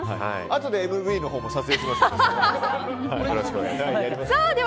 あとでＭＶのほうも撮影しますので。